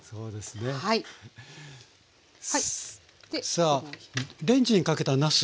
さあレンジにかけたなす